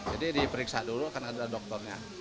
jadi diperiksa dulu kan ada dokternya